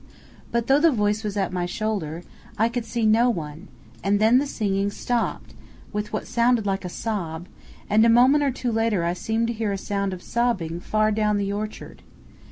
"_ But, though the voice was at my shoulder, I could see no one, and then the singing stopped with what sounded like a sob; and a moment or two later I seemed to hear a sound of sobbing far down the orchard.